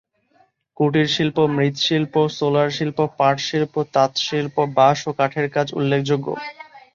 কুটিরশিল্প মৃৎশিল্প, সোলারশিল্প, পাটশিল্প, তাঁতশিল্প, বাঁশ ও কাঠের কাজ উল্লেখযোগ্য।